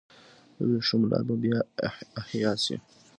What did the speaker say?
د ورېښمو لار به بیا احیا شي؟